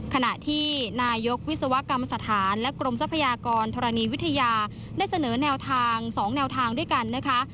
ขณะที่นายกวิศวกรรมสถานและกรมทรัพยากรธรณีวิทยาได้เสนอแนวทาง๒แนวทางด้วยกันนะคะ